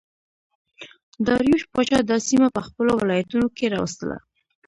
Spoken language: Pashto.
داریوش پاچا دا سیمه په خپلو ولایتونو کې راوستله